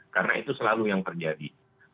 karena itu selalu yang terjadi